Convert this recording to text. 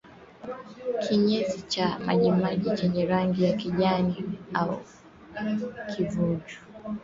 Kinyesi cha majimaji chenye rangi ya kijani au kijivu ni dalili ya kuhara